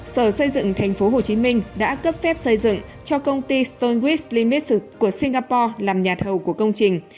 sở xây dựng tp hcm đã cấp phép xây dựng cho công ty stolis limits của singapore làm nhà thầu của công trình